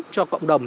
cho cộng đồng